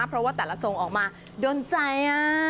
เพราะว่าแต่ละทรงออกมาโดนใจ